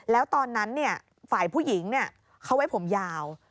แล้วตอนนั้นฝ่ายผู้หญิงเขาไว้ผมยาว